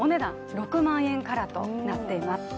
６万円からとなっています。